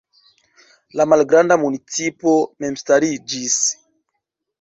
La malgranda municipo memstariĝis.